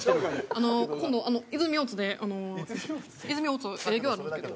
あの今度泉大津であの泉大津で営業あるんやけど。